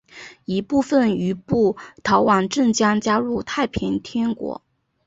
一部分余部逃往镇江加入太平天国。